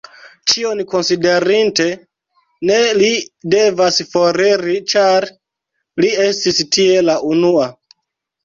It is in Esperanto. Ĉion konsiderinte, ne li devas foriri, ĉar li estis tie la unua.